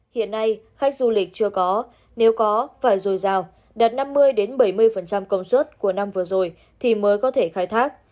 hiện nay khách du lịch chưa có nếu có phải rồi rào đặt năm mươi bảy mươi công suất của năm vừa rồi thì mới có thể khai thác